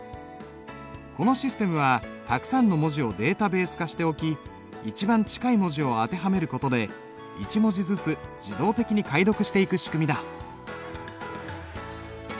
このシステムはたくさんの文字をデータベース化しておき一番近い文字を当てはめることで１文字ずつ自動的に解読していく仕組みだ。